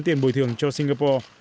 tiền bồi thường cho singapore